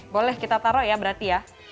boleh kita taruh ya berarti ya